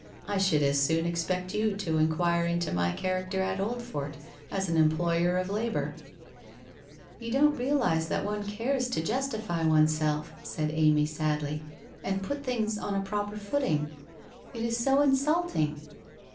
I should as soon expect you to enquire into my character at Oldfort as an employer of labour !*' You don't realize that one cares to justify oneself,' said Amy sadly, ' and put things on a proper footing. It is BO insulting!